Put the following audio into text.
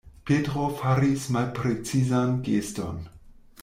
Petro faris malprecizan geston.